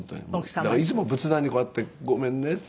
だからいつも仏壇にこうやってごめんねって。